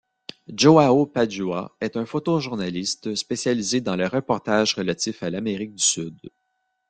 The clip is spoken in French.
Joao Padua est un photojournaliste spécialisé dans les reportages relatifs à l'Amérique du Sud.